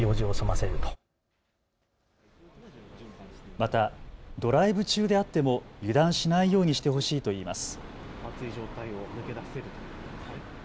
またドライブ中であっても油断しないようにしてほしいといいます。